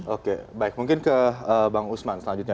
oke baik mungkin ke bang usman selanjutnya